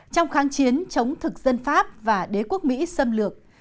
trong kháng chiến chống thực dân pháp và đế quốc mỹ xâm lược